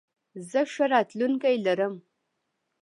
زه ښه راتلونکې لرم.